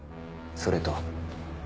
それと。